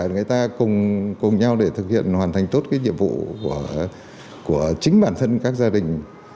người ta cùng nhau để thực hiện hoàn thành tốt cái nhiệm vụ của chính bản thân các gia đình